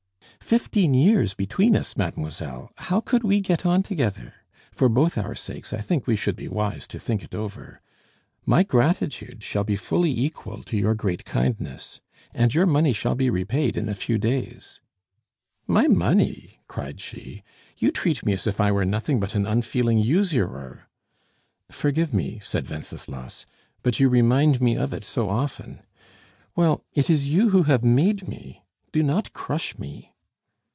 "Fifteen years between us, mademoiselle! How could we get on together! For both our sakes I think we should be wise to think it over. My gratitude shall be fully equal to your great kindness. And your money shall be repaid in a few days." "My money!" cried she. "You treat me as if I were nothing but an unfeeling usurer." "Forgive me," said Wenceslas, "but you remind me of it so often. Well, it is you who have made me; do not crush me."